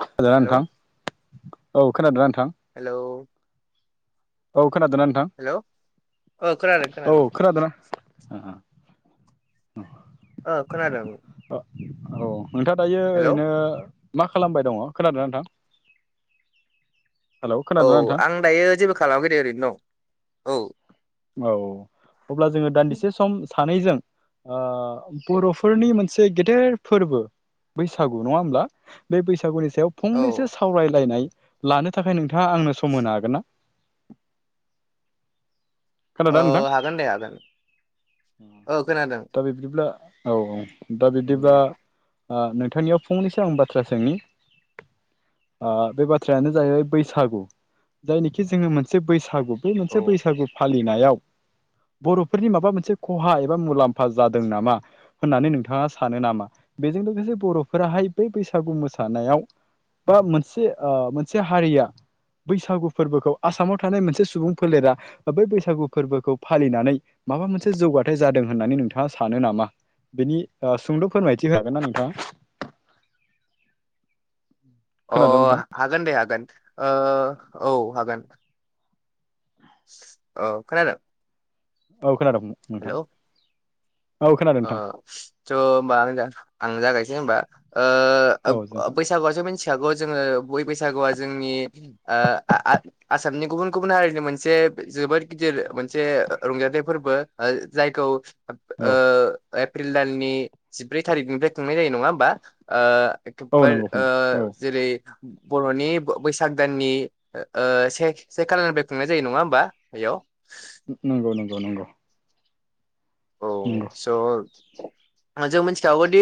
खोनादोंना हेलौ नोंथां औ खोनादोंना नोंथां? हेलौ औ खोनादोंना नोंथां हेलौ ओ खोनादों खोनादों औ खोनादोंना ओ ओ ओ खोनादों। औ नोंथांङा दायो हेलौ ओरैनो मा खालामबाय दङ खोनादों ना नोंथां? हेलौ औ खोनादोंना नोंथां आं दायो जेबो खालामाखै दे ओरैनो दं औ। औ अब्ला जोंङो दान्दिसे सम सानैजों ओ बर'फोरनि मोनसे गेदेर फोर्बो बैसागु नङा होमब्ला बे बैसागुनि सायाव औ फंनैसो सावरायलायनाय लानो थाखाय नोंथांङा आंनो सम होनो हागोन ना? ओ खोनादों ना हागोन दे हागोन नोंथां ओ खोनादों दा बिबदिब्ला औ औ दा बिदिब्ला आ नोंथांनियाव फंनैसो आं बाथ्रा सोंनि? ओ बे बाथ्रायानो जाहैबाय बैसागु जायनिखि जोङो मोनसे बैसागु बे मोनसे बैसागु फालिनायाव बर'फोरनि माबा मोनसे खहा एबा मुलाम्फा जादों नामा? होननानै नोंथाङा सानो नामा बेजों लोगोसे बर'फोराहाय बै बैसागु मोसानायाव बा मोनसे ओ मोनसे हारिया बैसागु फोरबोखौ आसामाव थानाय मोनसे सुबुं फोलेरा बै बैसागु फोरबोखौ फालिनानै माबा मोनसे जौगाथाय जादों होननानै नोंथाङा सानो नामा? बेनि सुंद' फोरमायथि होनो हागोनना नोंथां? अ हागोन दे हागोन औ हागोन। औ खोनादों? औ खोनादों हेलौ नोंथां। औ खोनादों ओ नोंथां थ' होनबा आं जागायनोसै होनबा? [inaudible] ओ ओ बैसागुआसो मिथिखागौ जोङो बै बैसागुआवसो जोंनिओ आओ आसामनि गुबुन गुबुन हारिनि मोनसे जोबोद गिदिर मोनसे रंजाथाइ फोरबो जायखौ ओ औ एप्रिल दाननि जिब्रै थारिखनिफ्राय खुंनाय जायो नङा होमबा ओ औ इउटुबार नंगौ ओ फंबाय औ जेरै बर'नि बैसाग दाननि से से खालनिफ्राय खुंनाय जायो नङा होमबा बेयाव? नंगौ नंगौ नंगौ। औ नंगौ स' [inaudible] जों मिथिखागौदि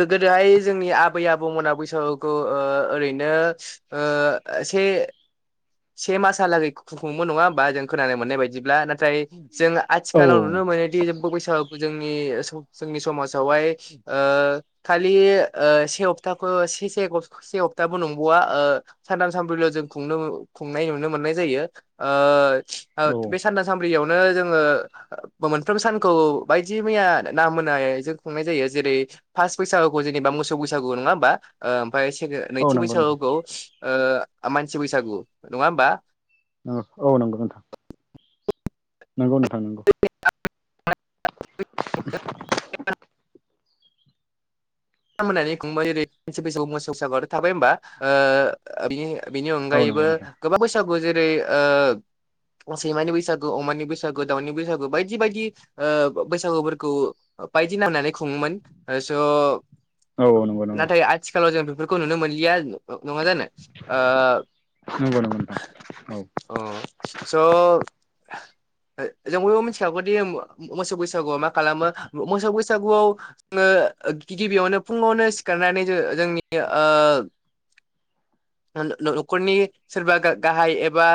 गोदोहाय जोंनि आबै आबौमोना बैसागुखौ ओ ओरैनो ओ ओ से से मासहालागै खुंओमोन नङा होनबा जों खोनानो मोन्नाइ बादिब्ला नाथाय जों औ आथिखालाव नुनो मोनोदि जेबो बैसागुखौ जोंनि जोंनि समाजावहाय खालि से सप्ताखौ से से से सप्ताबो नंबावा ओ सानथाम सानब्रैल' जों खुंनो खुंनाय नुनो मोननाय जायोओ औ ओ बे सानथा सानब्रैयाव नो जोङो मोनफ्रोम सानखौ बायदि मैया नाम मोननाय जों खुंनाय जायो जेरै फास बैसागुखौ जेनेबा मोसौ बैसागु नंङा ओमबा ओ ओमफ्राय से औ नैथि नंगौ नोंथां बैसागुखौ मानसि बैसागु नङा होमबा? औ औ नंगौ नोंथां। नोंगौ नोंथां नांगौ। [inaudible] मा होननानै खबाय ओरै मोनसे बैसआव मोसौ सागर' थाबाय होमबा ओ बिनि औ नंगौ अनगायैबो नोंथां गोबां बैसागु जेरै ओ सैमानि बैसागु अमानि बैसागु दाउनि बैसागु बायदि बायदि ओ बैसागुफोरखौ बायदि नांनानै खुङोमोन स औ औ नंगौ नंगौ नाथाय आथिखालाव जों बेफोरखौ नुनो मोनलिया। नङा जानो नंगौ नंगौ नोंथां औ ओ अ स जों बयबो मिथिखागौदि मोसौ बैसागुआव मा खालामो मोसौ बैसागुआव गिबियावनो फुङावनो सिखारनानै जोंनि ओ [inaudible] न'खरनि सोरबा गाहाय एबा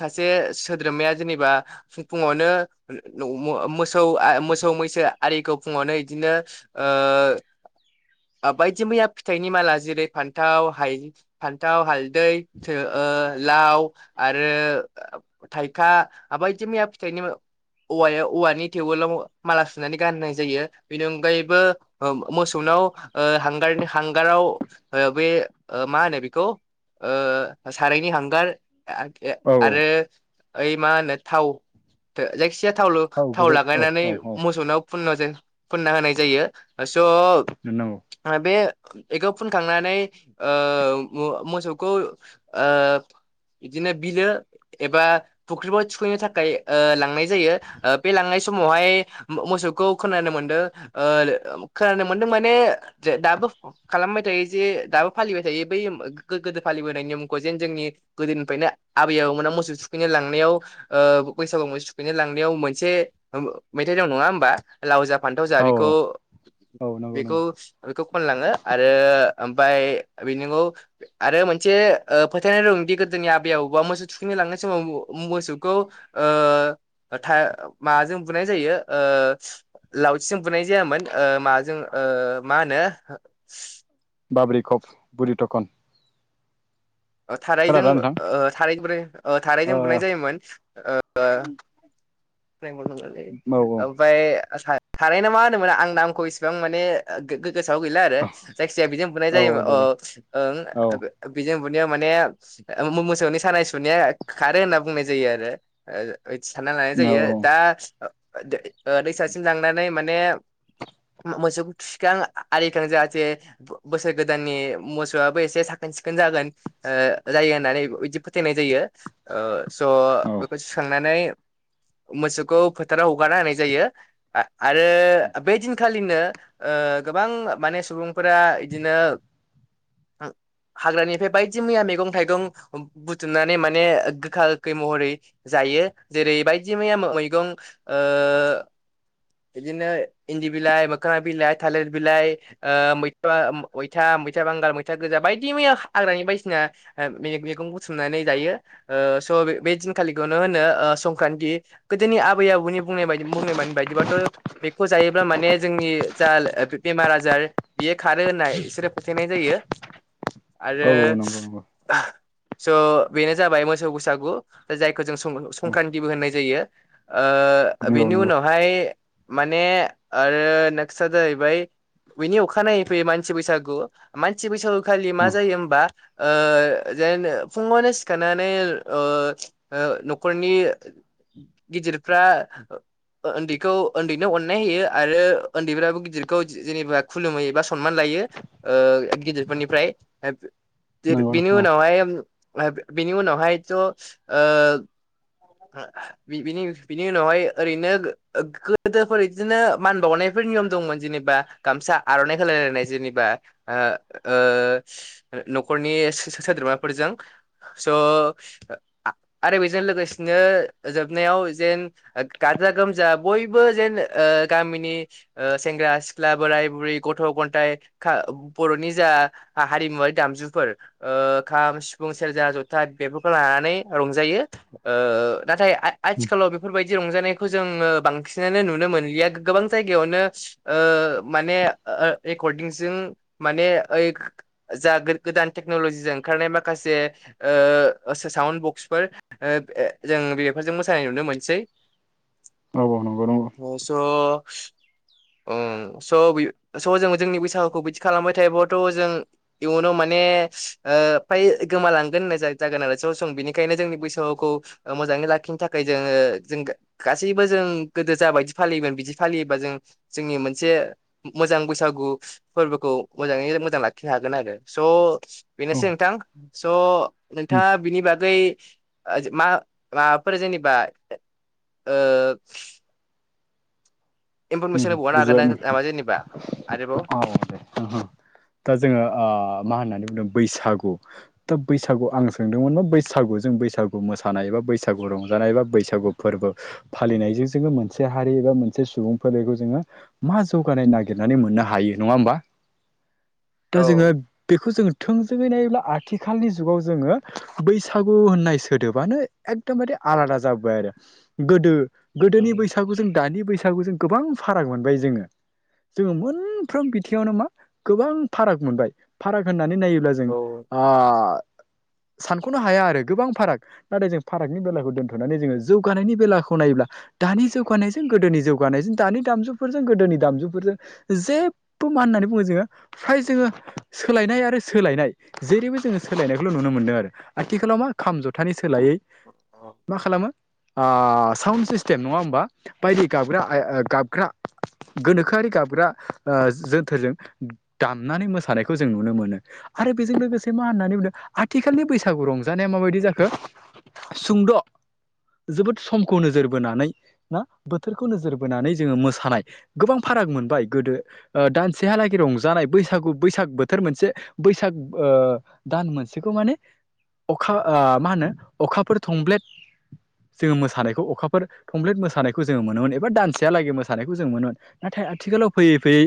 सासे सोद्रोमाया जेनेबा फुङावनो मोसौ मोसौ मैसो आरिखौ फुङावनो बिदिनो ओ ओ [inaudible] बायदि मैया फिथाइनि माला जेरै फान्थाव फान्थाव हालदै ओ लाव आरो थाइखा बायदि मैया फिथाइनि औवायाव औवानि टेववेलाव माला सुनानै गाननाय जायो बेनि अनगायैबो मोसौ। नाव ओ हांगारनि हांगाराव बे मा होनो बेखौ ओ सारायनि हांगार औ औ आरो ओइ मा होनो थाव जायखि जाया थाव गुबै औ लागायनानै औ मोसौनाव फुन फुनना होनाय जायो स' नंगौ बे बेखौ फुनखांनानै ओ मोसौखौ ओ बिदिनो बिलो एबा फुख्रिफ्राव थुखैनो थाखाय ओ लांनाय जायो बे लांनाय समावहाय मोसौखौ खोनानो मोनदों ओ खोनानो मोनदों माने दाबो खालामबाय थायो जे दाबो फालिबाय थायो बै गोदो फालिबोनायनि मुंखौ जेन जोंनि गोदोनिफ्रायनो आबै आबौ मोना मोसौ थुखैनो लांनायाव ओ बैसागु मोसौ थुखैनाय। लांनायाव मोनसे मेथाय दं नङा होनबा लाव जा फान्थाव जा औ बेखौ औ औ नंगौ बेखौ नंगौ बेखौ खनलाङो आरो ओमफ्राय बे नंगौ आरो मोनसे फोथायनाय दंदि गोदोनि आबै आबौबा मोसौ थुखैनो लांनाय समाव मोसौखौ ओ था माजों बुनाय जायो ओ लावथिजों बुनाय जायामोन ओ माजों ओ मा होनो बाबरि कफ बुरि थखन। थारैजों खोनादोंना नोंथां थार बै थारैजों ओ बुनाय जायोमोन ओ औ औ औ ओमफ्राय थाराय ना मा होनोमोना आं नामखौ इसेबां माने गोसोआव गैला आरो जायखिजाया बेजों बुंनाय जाय औ अ दे दे औ ओ बेजों माने मोसौनि सानाय सुनाय खारो होनना बुंनाय जायो आरो सान औ जायो दा दैसासिम ओ लांनानै माने मोसौखौ थिखां आरिखां जाहाथे बोसोर गोदाननि मोसौआबो एसे साखोन सिखोन जागोन ओ जायो होननानै बिदि फोथायनाय जायो ओ स औ बेखौ सुखांनानै मोसौखौ फोथाराव हगारना होनाय जायो आरो बे दिनखालिनो ओ गोबां माने सुबुंफोरा बिदिनो हाग्रानिफ्राय बायदि मैया मैगं थाइगं बुथुमनानै माने गोखा गोखै महरै जा जायो जेरै बायदि मैया मैगं ओ बिदिनो इन्दि बिलाइ मोखोमा बिलाइ थालिर बिलाइ ओ मैथ मैथा मैथा बांगाल मैथा गोजा बायदि मैया हाग्रानि बायसिना मेगं बुथुमनानै जायो। स बे दिनखालिखौनो होनो संक्रान्ति गोदोनि आबै आबौनि बुंनाय बायदि बुंनाय बायदिबा थ बेखौ जायोब्ला माने जोंनि जा बेमार आजार बियो खारो होनना बिसोरो फोथायनाय जायो। [inaudible] आरो औ नंगौ स' बेनो जाबाय मोसौ बैसागु जायखौ जों सं औ संक्रान्तिबो होननाय जायो। ओ नंगौ बिनि नंगौ उनावहाय माने आरो नेक्स्ट आ जाहैबाय बिनि अखानायनायै फैयो मानसि बैसागु मानसि बैसागु खालि मा औ जायो होमबा ओ जेन फुङावनो सिखारनानै ओ अ ओ न'खरनि गिदिरफ्रा ओन्दैखौ ओन्दैनो अननाय होयो आरो ओन्दैफ्राबो गिदिरखौ जेनेबा खुलुमहैयो एबा सनमान लायो। ओ गिदिरफोरनिफ्राय नंगौ बेनि नोंथां औ उनावहाय बिनि उनावहायथ' ओ बिनि उनावहाय ओरैनो गोदोफोर बिदिनो मान बावनायफोर नियम दंमोन जेनेबा गामसा आर'नाइ होलायलायनाय जेनेबा ओ न'खरनि सो-सोद्रोमाफोरजों स' आ-आरो बेजों लोगोसेनो जोबनायाव जेन गाजा गोमजा बयबो बो जेन ओ गामिनि सेंग्रा सिख्ला बोराय बुरै गथ' गथाइ खा बर'नि जा हारिमुवारि दामजुफोर ओ खाम सिफुं सेरजा जथा बेफोरखौ लाना नानै रंजायो ओ नाथाय आथि-आथिखालाव बेफोरबायदि रंजानायखौ जोङो बांसि बांसिनानो नुनो मोनलिया गोबां जायगायावनो ओ माने रेकर्डिंजों माने ओइ जा गोदान टेक्न'लजिजों ओंखारनाय माखासे ओ साउम बक्सफोर ओ जों बेफोरजों मोसानाय नुनो मोनसै। [inaudible] नंगौ अ स' [inaudible] उम स' स' जो जोंनि बैसागुखौ बिदि खालामबाय थायोब्लाथ' जों इयुनाव माने ओ फ्राय गोमालांगोन जा-जागोन आरो बिनिखायनो जोंनि बैसोखौ मोजाङै लाखिनो थाखाय जोङो जों गासैबो जों गोदो जाबायदि फालियोमोन बिदि फालियोबा जों जोंनि मोनसे मोजां बैसागु फोरबोखौ मोजाङै मोजां लाखिनो हागोन आरो स' औ बेनोसै नोंथां स' नोंथाङा बिनि बागै मा माबाफोर जेनेबा ओ इनफरमेसन होबावनो हागोन बुजिबाय नामा जेनेबा आरोबाव औ दे दा जोङो ओ मा होननानै बैसागु दा बैसागु आं सोंदोंमोना बैसागु जों बैसागु मोसानाय एबा बैसागु रंजानाय एबा बैसागु फोरबो फालिनायजों जोङो मोनसे हारि एबा मोनसे सुबुं फोलेरखौ जोङो मा जौगानाय नागिरनानै मोननो हायो नङा होमबा दा जोङो औ बेखौ जोङो थोंजोङै नायोब्ला आथिखालनि जुगाव जोङो बैसागु होननाय सोदोबानो एकदमबारे आलादा जाबोबाय आरो गोदो औ गोदोनि बैसागु जों दानि बैसागु जों गोबां फाराग मोनबाय जोङो जोङो मोनफ्रोम बिथिङावनो मा गोबां फाराग मोनबाय फाराग होन नानै नायोब्ला जों औ ओ सानख'नो हाया आरो गोबां फाराग नाथाय जों फारागनि बेलाखौ दोन्थ'नानै जोङो जौगानायनि बेलाखौ नायोब्ला दानि जौगानायजों गोदोनि जौगानायजों दानि दामजुफोरजों गोदोनि दामजुफोरजों जेबो मा होननानै बुङो जोङो फ्राय जोङो सोलायनाय आरो सोलायनाय जेरैबो जोङो सोलायनायखौल' नुनो मोन्दों आरो आथिखालाव मा खाम जथानि स सोलायै औ मा खालामो ओ साउन्ड सिस्टेम नङा होमबा बायदि गाबग्रा आय गाबग्रा गोनोखोआरि गाबग्रा ओ जोन्थोरजों दामनानै मोसानायखौ जों नुनो मोनो। आरो बेजों लोगोसे मा होननानै बुंदों आथिखालनि बैसागु रंजानाया माबायदि जाखो? सुंद' जोबोद समखौ नोजोर बोनानै ना बोथोरखौ नोजोर बोनानै जोङो मोसानाय गोबां फाराग मोनबाय गोदो ओ दानसेहालागै रंजानाय बैसागु बैसाग बोथोर मोनसे बैसाग ओ दान मोनसेखौ माने अखा ओ मा होनो अखाफोर थंब्लेद जोङो मोसानायखौ अखाफोर थमफ्लेट मोसानायखौ जोङो मोनोमोन एबा दानसे सेहालागै मोसानायखौ जों मोनोमोन नाथाय आथिखालाव फैयै फैयै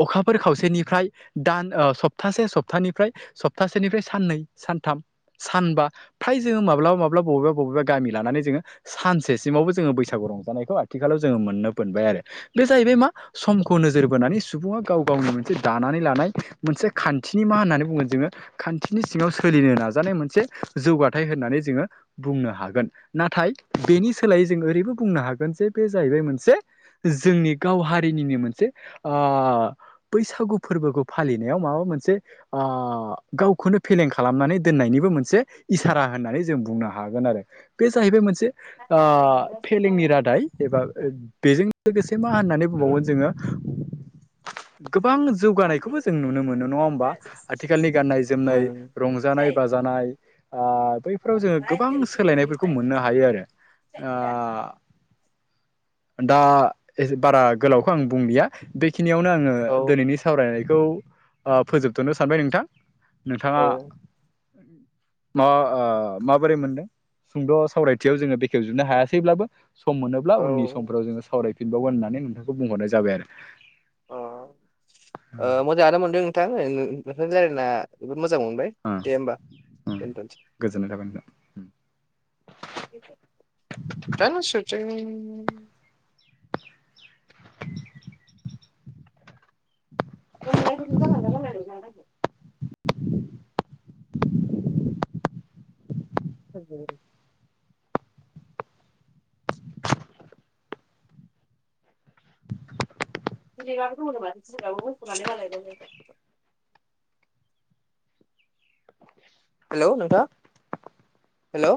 ओ अखाफोर खावसेनिफ्राय दान सप्तासे सप्तानिफ्राय सप्तासेनिफ्राय साननै सानथाम सानबा फ्राय जोङो माब्लाबा माबा बबेबा बबेबा गामि लानानै जोङो सानसेसिमावबो जोङो बैसागु रंजानायखौ आरो आथिखालाव जोङो मोननो मोनबाय आरो बे जाहैबाय मा समखौ नोजोर बोनानै सुबुङा गाव गावनि मोनसे दाना नै लानाय मोनसे खान्थिनि मा होन्नानै बुङो जोङो खान्थिनि सिङाव सोलिनो नाजानाय मोनसे जा जौगाथाय होननानै जोङो बुंनो हागोन नाथाय बेनि सोलायै जों ओरैबो बुंनो हागोन जे बे जाहैबाय मोनसे जोंनि गाव हारिनिनो मोनसे ओ बैसागु फोर बोखौ फालिनायाव माबा मोनसे ओ गावखौनो फेलें खालामनानै दोननायनिबो मोनसे इसारा होननानै जों बुंनो हागोन आरो बे जाहैबाय मोनसे ओ फेलेंनि रादाय एबा बेजों लोगोसे मा होननानै बुंबावगोन जोङो गोबां जौगानायखौबो जों नुनो मोनो नङा होमबा आथिखालनि गाननाय जोमनाय रंजानाय बाजानाय नाय ओ बैफोराव जोङो गोबां सोलायनायफोरखौ मोननो हायो आरो। ओ दा बारा गोलावखौ आं बुंलिया बे बेखिनियावनो आङो औ दिनैनि सावरायनायखौ फोजोबथ'नो सानबाय नोंथां। नोंथाङा माबा ओ माबोरै मोनदों। सुंद' सावरायथियाव जोङो बेखेवजोबनो हायासैब्लाबो सम मोनो ब्ला ओ उननि समफोराव जोङो सावरायफिनबावगोन होननानै नोंथांखौ बुंहरनाय जाबाय आरो। अ ओ मोजाङानो मोनदों नोंथां नोंथांजों रायलायना मोजां मोनबाय ओ दे होमबा ओ दोनथ'सै। गोजोननाय थाबाय नोंथां। जानो सोरथाय। उम। [unintelligible] [unintelligible] [unintelligible] जिरैगाबो दङनो माथो जगाबो मोनथ'नानै मालायबाव ज हेल' नोंथाङ हेल'।